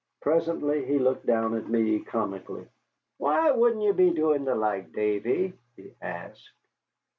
Presently he looked down at me comically. "Why wuddent ye be doin' the like, Davy?" he asked.